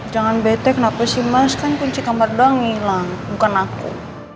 jangan betek kenapa sih mas kan kunci kamar doang hilang bukan aku